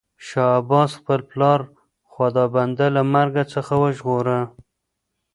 شاه عباس خپل پلار خدابنده له مرګ څخه وژغوره.